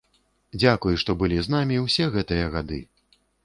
Дзякуй, што былі з намі ўсе гэтыя гады!